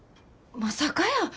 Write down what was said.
まさかやー。